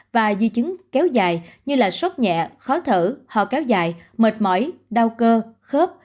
và di chứng kéo dài như sốc nhẹ khó thở hò kéo dài mệt mỏi đau cơ khớp